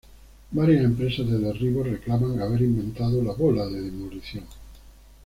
Varias empresas de derribos reclaman haber inventado la bola de demolición.